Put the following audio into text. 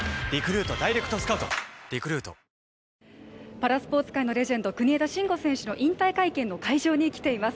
パラスポーツ界のレジェンド国枝慎吾選手の引退会見の会場に来ています。